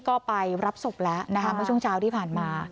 ก็ไปรับศูปดีแล้วเมื่อช่วงเช้าที่ผ่านมา